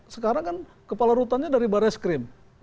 sekarang kan kepala rutannya dari barai skrim